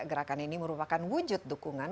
gerakan ini merupakan wujud dukungan